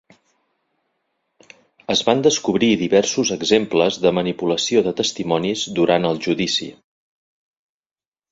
Es van descobrir diversos exemples de manipulació de testimonis durant el judici.